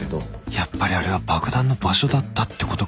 やっぱりあれは爆弾の場所だったってことか？